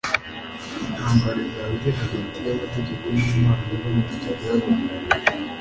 Intambara izaba iri hagati yamategeko yImana namategeko yabantu